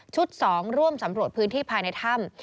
๒ร่วมสำรวจพื้นที่ภายในถ้ำ